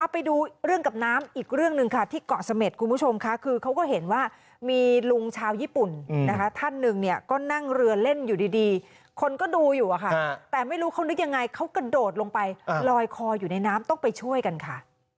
ไปดูเรื่องกับน้ำอีกเรื่องหนึ่งค่ะที่เกาะเสม็ดคุณผู้ชมค่ะคือเขาก็เห็นว่ามีลุงชาวญี่ปุ่นนะคะท่านหนึ่งเนี่ยก็นั่งเรือเล่นอยู่ดีคนก็ดูอยู่อะค่ะแต่ไม่รู้เขานึกยังไงเขากระโดดลงไปลอยคออยู่ในน้ำต้องไปช่วยกันค่ะ